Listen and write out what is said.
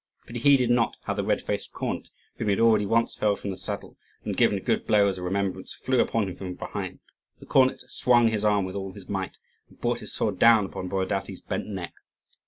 But he heeded not how the red faced cornet, whom he had already once hurled from the saddle and given a good blow as a remembrance, flew upon him from behind. The cornet swung his arm with all his might, and brought his sword down upon Borodaty's bent neck.